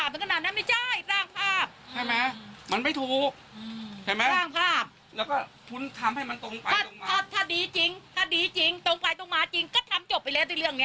ตรงไปตรงมาจริงก็ทำจบไปเลยทิศเรื่องนี้